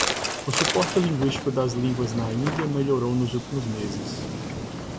O suporte linguístico das línguas na Índia melhorou nos últimos meses.